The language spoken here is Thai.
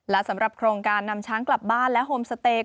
และสำหรับโครงการนำช้างกลับบ้านและโฮมสเตย์